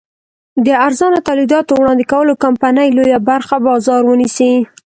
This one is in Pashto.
د ارزانه تولیداتو وړاندې کولو کمپنۍ لویه برخه بازار ونیسي.